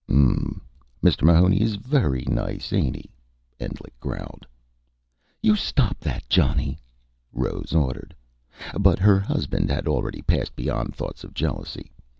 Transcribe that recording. '" "Hmm m Mr. Mahoney is very nice, ain't he?" Endlich growled. "You stop that, Johnny," Rose ordered. But her husband had already passed beyond thoughts of jealousy.